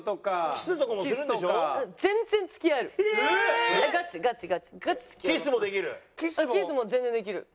キスも全然できる。